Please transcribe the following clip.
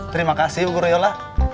terima kasih bu guruyola